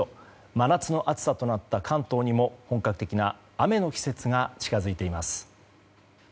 真夏の暑さとなった関東にも本格的な雨の季節が近づいています。